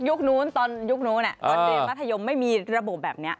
ยุคนูนคราวนี้ในการเรียนวัฒนธยมไม่มีระบบแบบนี้